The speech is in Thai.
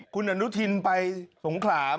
คุณอันนุทินไปสงขราไหม